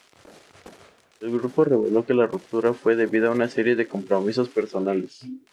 El grupo reveló que la ruptura fue "debido a una serie de compromisos personales".